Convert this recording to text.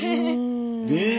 ねえ。